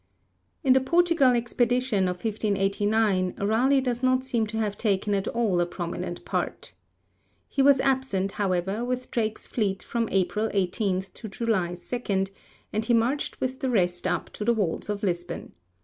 In the Portugal expedition of 1589 Raleigh does not seem to have taken at all a prominent part. He was absent, however, with Drake's fleet from April 18 to July 2, and he marched with the rest up to the walls of Lisbon.